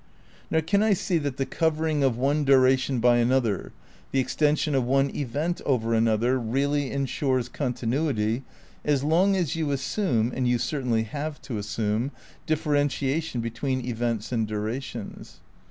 Nor can I see that the covering of one duration by another, the extension of one event over another, really ensures continuity, as long as you assume, and you certainly have to assume, differentiation between events and durations.